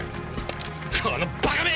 このバカめ！！